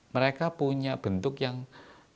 mereka punya bentuk yang